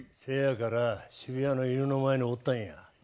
せやから渋谷の犬の前におったんや。